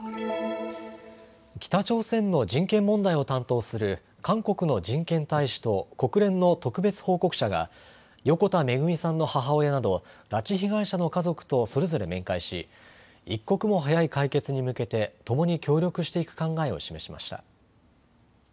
北朝鮮の人権問題を担当する韓国の人権大使と国連の特別報告者が横田めぐみさんの母親など拉致被害者の家族とそれぞれ面会し、一刻も早い解決に向けてともに協力していく考えを示しました。